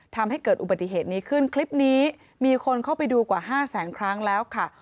ทำให้เกิดอุบัติเหตุนี้ขึ้นคลิปนี้มีคนเข้าไปดูกว่าห้าแสนครั้งแล้วค่ะ